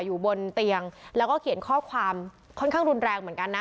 อยู่บนเตียงแล้วก็เขียนข้อความค่อนข้างรุนแรงเหมือนกันนะ